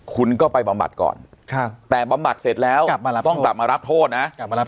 คุณก็ไปบำบัดก่อนแต่บำบัดเสร็จแล้วต้องกลับมารับโทษนะกลับมารับ